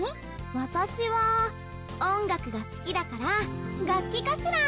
私は音楽が好きだから楽器かしらん。